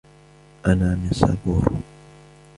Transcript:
أنا من سابورو.